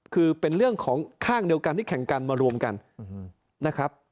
คือเป็นเรื่องของข้างเดียวกันที่แข่งกันมารวมกันนะครับ